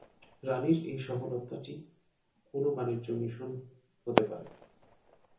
রানীর এই সফরটি কোনও বাণিজ্য মিশন হতে পারে।